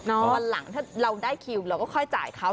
ตอนหลังถ้าเราได้คิวเราก็ค่อยจ่ายเขา